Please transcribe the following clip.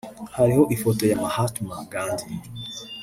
hariho ifoto ya Mahatma Ghandi